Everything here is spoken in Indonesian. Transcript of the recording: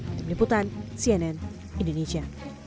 dari peniputan cnn indonesia